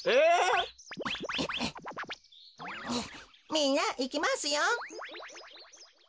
みんないきますよ。